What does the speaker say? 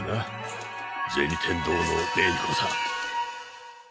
天堂の紅子さん。